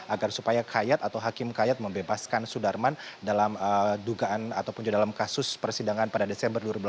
agar supaya kayat atau hakim kayat membebaskan sudarman dalam dugaan ataupun juga dalam kasus persidangan pada desember dua ribu delapan belas